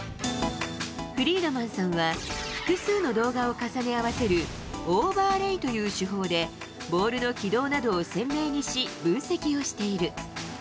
フリードマンさんは、複数の動画を重ね合わせるオーバーレイという手法で、ボールの軌道などを鮮明にし、分析をしている。